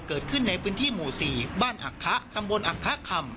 เกิดขึ้นในพื้นที่หมู่๔บ้านอักคะตำบลอักคะคำ